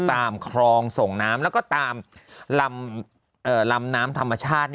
ตามคลองส่งน้ำแล้วก็ตามลำน้ำธรรมชาติ